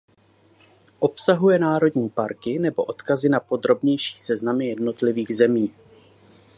Obsahuje národní parky nebo odkazy na podrobnější seznamy jednotlivých zemí.